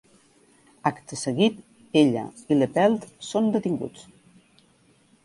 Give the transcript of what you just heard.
Acte seguit, ella i LePelt són detinguts.